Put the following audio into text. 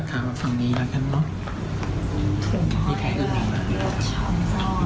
ข้างฝั่งนี้ยากกันมึง